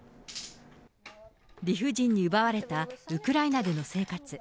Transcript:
理不尽に奪われたウクライナでの生活。